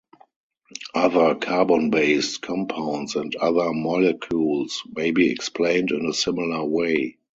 Other carbon based compounds and other molecules may be explained in a similar way.